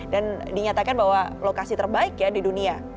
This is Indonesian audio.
dan dinyatakan bahwa lokasi terbaik ya di dunia